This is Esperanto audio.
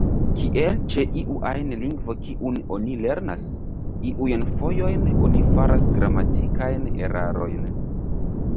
Kiel ĉe iu ajn lingvo kiun oni lernas, iujn fojojn oni faras gramatikajn erarojn.